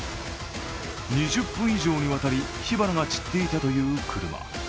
２０分以上にわたり火花が散っていたという車。